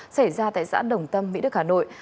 xảy ra tại xã đồng tâm mỹ đức hà nội